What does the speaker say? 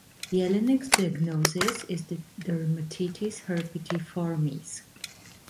Jelinek's diagnosis is dermatitis herpetiformis.